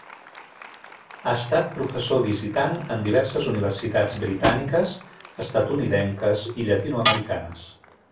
Ha estat professor visitant en diverses universitats britàniques, estatunidenques i llatinoamericanes.